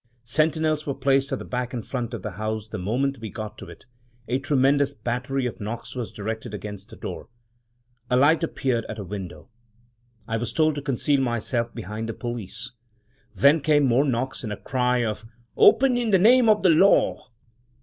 Sentinels were placed at the back and front of the house the moment we got to it; a tremendous battery of knocks was directed against the door; a light appeared at a window; I was told to conceal myself behind the police — then came more knocks and a cry of "Open in the name of the law!"